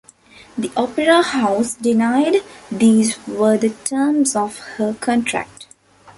The opera house denied these were the terms of her contract.